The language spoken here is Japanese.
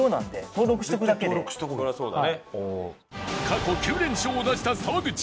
過去９連勝を出した沢口